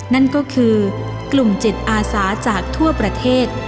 นั่นก็คือกลุ่มจิตอาสาจากทั่วประเทศ